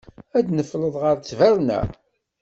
Ad tnefleḍ ɣer ttberna.